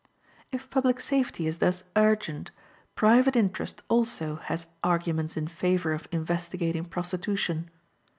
If public safety is thus urgent, private interest also has arguments in favor of investigating prostitution.